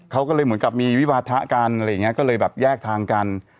เขาก็เลยเหมือนกับมีวิวาทะกันอะไรอย่างนี้ก็เลยแบบแยกทางกัน